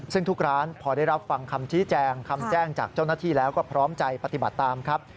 ซึ่งทุกร้านพอได้รับฟังคำชี้แจงคำแจ้งจากเจ้าหน้าที่แล้วก็พร้อมใจปฏิบัติตามครับ